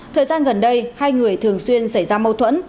thời gian gần đây hai người thường xuyên xảy ra mâu thuẫn